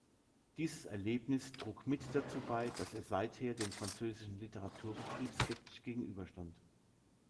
Dieses Erlebnis trug mit dazu bei, dass er seither dem französischen Literaturbetrieb skeptisch gegenüberstand.